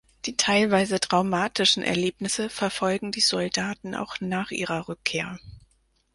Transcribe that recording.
Die teilweise traumatischen Erlebnisse verfolgen die Soldaten auch nach ihrer Rückkehr.